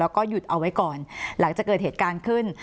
แล้วก็หยุดเอาไว้ก่อนหลังจากเกิดเหตุการณ์ขึ้น